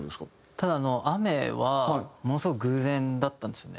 ただ雨はものすごく偶然だったんですよね。